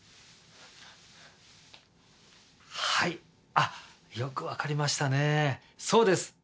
はいあっよく分かりましたねそうです。